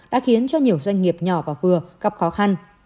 đã khiến cho nhiều doanh nghiệp nhỏ và vừa gặp khó khăn